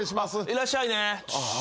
いらっしゃいね。